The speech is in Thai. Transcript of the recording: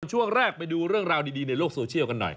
ช่วงแรกไปดูเรื่องราวดีในโลกโซเชียลกันหน่อย